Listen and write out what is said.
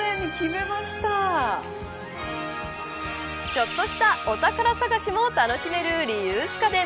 ちょっとしたお宝探しも楽しめるリユース家電。